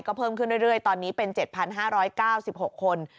ก็เพิ่มขึ้นเรื่อยตอนนี้เป็น๗๕๙๖คน